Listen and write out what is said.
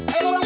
eh eh eh